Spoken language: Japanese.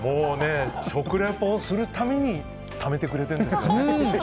食リポをするためにためてくれてるんですよね。